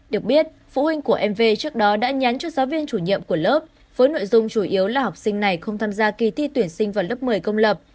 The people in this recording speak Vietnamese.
được biết phụ huynh của mv trước đó đã nhắn cho giáo viên chủ nhiệm của lớp với nội dung chủ yếu là học sinh này không tham gia kỳ thi tuyển sinh vào lớp một mươi công lập